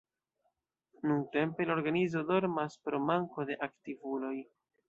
Nuntempe la organizo dormas pro manko de aktivuloj.